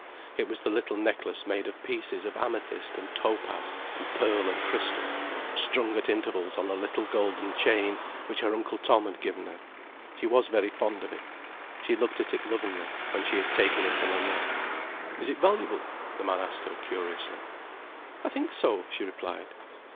It was the little necklace made of pieces of amethyst and topaz and pearl and crystal, strung at intervals on a little golden chain, which her Uncle Tom had given her. She was very fond of it. She looked at it lovingly, when she had taken it from her neck. "Is it valuable?" the man asked her, curiously. "I think so," she replied.